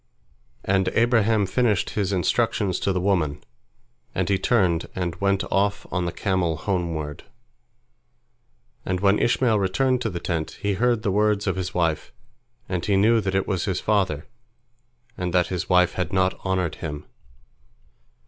And Abraham finished his instructions to the woman, and he turned and went off on the camel homeward. And when Ishmael returned to the tent, he heard the words of his wife, and he knew that it was his father, and that his wife had not honored him.